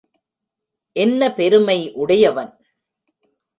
என்ன பெருமை உடையவன்?